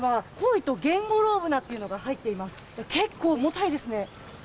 結構、重たいですね。